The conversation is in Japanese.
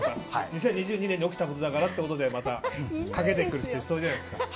２０２２年に起きたことだからってことでかけてくる人いそうじゃないですか。